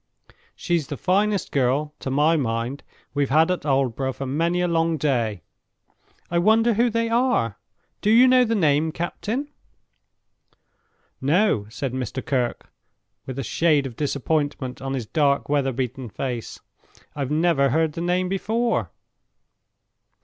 She's the finest girl, to my mind, we've had at Aldborough for many a long day. I wonder who they are! Do you know the name, captain?" "No," said Mr. Kirke, with a shade of disappointment on his dark, weather beaten face; "I never heard the name before."